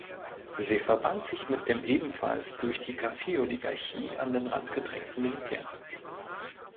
Sie verband sich mit dem ebenfalls durch die Kaffee-Oligarchie an den Rand gedrängten Militär.